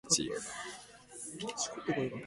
Nothing further is known about this chief.